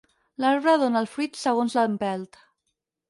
L'arbre dóna el fruit segons l'empelt.